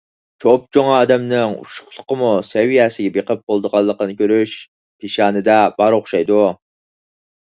چوپچوڭ ئادەمنىڭ ئۇششۇقلۇقىمۇ سەۋىيەسىگە بېقىپ بولىدىغانلىقىنى كۆرۈش پېشانىدە بار ئوخشايدۇ.